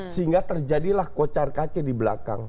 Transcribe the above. sehingga terjadilah kocar kaca di belakang